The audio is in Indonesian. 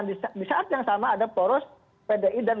di saat yang sama ada poros pdi dan